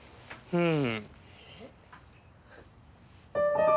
うん。